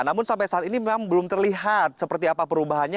namun sampai saat ini memang belum terlihat seperti apa perubahannya